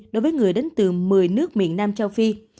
đối với người đến từ một mươi nước miền nam châu phi